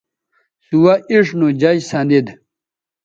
سوہ اِڇھ نو جج سندید